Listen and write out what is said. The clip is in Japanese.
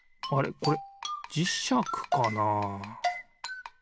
これじしゃくかな？